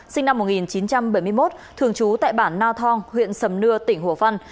sinh năm một nghìn chín trăm bảy mươi một thường trú tại bản na thong huyện sầm nưa tỉnh hồ văn